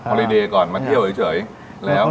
โอลีเด่ก่อนมาเที่ยวเฉย